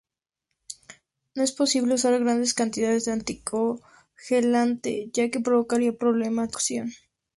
No es posible usar grandes cantidades de anticongelante ya que provocaría problemas de corrosión.